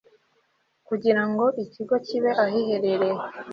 kugira ngo ikigo kibe ahiherereye